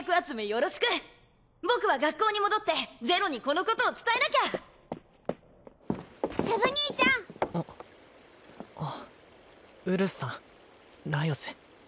よろしく僕は学校に戻ってゼロにこのことを伝えなきゃセブ兄ちゃんあっウルスさんライオス